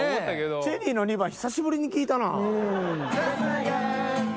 チェリーの２番、久しぶりに聴いたな。